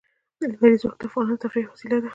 لمریز ځواک د افغانانو د تفریح یوه وسیله ده.